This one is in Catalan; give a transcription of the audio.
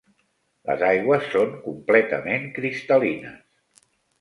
Les aigües són completament cristal·lines.